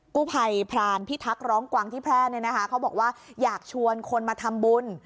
กู้ภัยพรานพิทักษ์ร้องกวางที่แพร่เนี่ยนะคะเขาบอกว่าอยากชวนคนมาทำบุญ